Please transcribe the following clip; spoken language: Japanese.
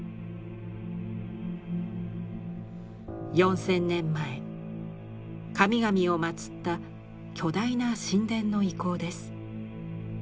４，０００年前神々を祀った巨大な神殿の遺構です。